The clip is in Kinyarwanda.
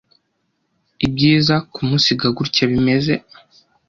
ibyiza kumusiga gutya bimeze